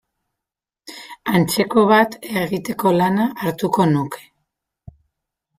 Antzeko bat egiteko lana hartuko nuke.